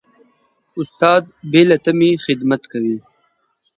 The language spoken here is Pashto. استاد بې له تمې خدمت کوي.